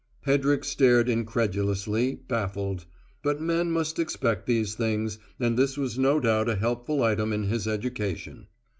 Hedrick stared incredulously, baffled; but men must expect these things, and this was no doubt a helpful item in his education.